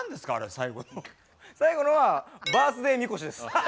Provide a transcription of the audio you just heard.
最後のはバースデーみこしです。